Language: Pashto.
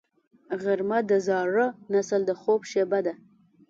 غرمه د زاړه نسل د خوب شیبه ده